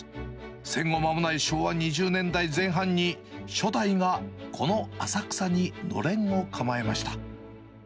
戦後間もない昭和２０年代前半に、初代がこの浅草にのれんを構えました。